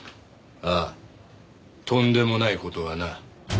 ああとんでもない事がな。